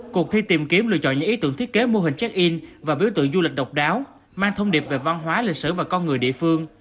cuộc thi tìm kiếm lựa chọn những ý tưởng thiết kế mô hình check in và biểu tượng du lịch độc đáo mang thông điệp về văn hóa lịch sử và con người địa phương